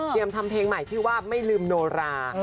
ทำเพลงใหม่ชื่อว่าไม่ลืมโนรา